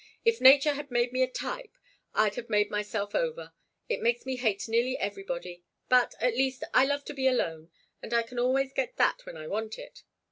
"If nature had made me a type I'd have made myself over. It makes me hate nearly everybody, but, at least, I love to be alone, and I can always get that when I want it.